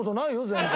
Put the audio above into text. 全然。